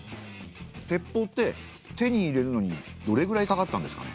鉄砲って手に入れるのにどれぐらいかかったんですかね？